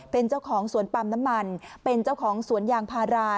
เป็นเจ้าของสวนปั๊มน้ำมันเป็นเจ้าของสวนยางพารา